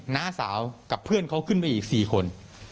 น้าสาวกับเพื่อนเขาขึ้นไปอีก๔คน